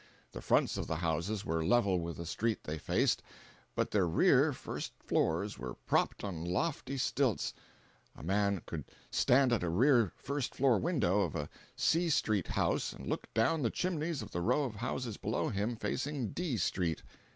The fronts of the houses were level with the street they faced, but their rear first floors were propped on lofty stilts; a man could stand at a rear first floor window of a C street house and look down the chimneys of the row of houses below him facing D street.